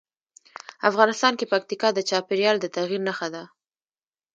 افغانستان کې پکتیکا د چاپېریال د تغیر نښه ده.